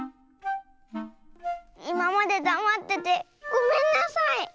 いままでだまっててごめんなさい！